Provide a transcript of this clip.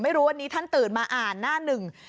ไม่รู้วันนี้ท่านตื่นมาอ่านหน้าหนึ่ง